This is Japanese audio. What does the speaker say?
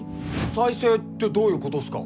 再生ってどういうことっすか？